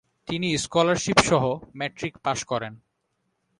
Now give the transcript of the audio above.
তিনি স্কলারশিপসহ ম্যাট্রিক পাশ করেন।